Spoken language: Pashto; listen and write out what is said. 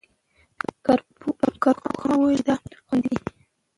کارپوهانو ویلي چې دا خوندي دی.